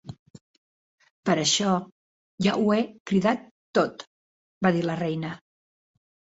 "Per això, ja ho he cridat tot", va dir la reina.